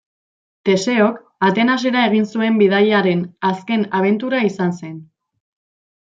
Teseok Atenasera egin zuen bidaiaren azken abentura izan zen.